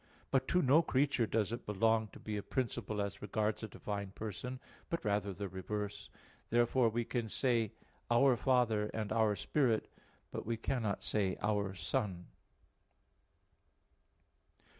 But to no creature does it belong to be a principle as regards a divine person; but rather the reverse. Therefore we can say "our Father," and "our Spirit"; but we cannot say "our Son."